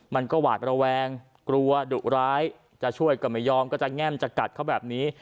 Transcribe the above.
มันก็หวาดระแวงกลัวดุร้ายจะช่วยก็ไม่ยอมก็จะแง่มจะกัดเขาแบบนี้